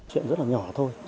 chuyện rất là nhỏ thôi